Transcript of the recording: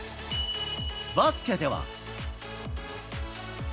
バスケでは。